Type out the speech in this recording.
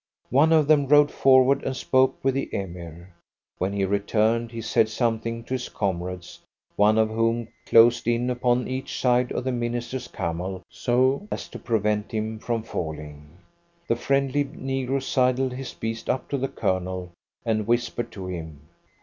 One of them rode forward and spoke with the Emir. When he returned he said something to his comrades, one of whom closed in upon each side of the minister's camel, so as to prevent him from falling. The friendly negro sidled his beast up to the Colonel, and whispered to him.